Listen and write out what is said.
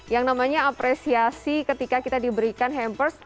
yang namanya apresiasi ketika kita diberikan hampers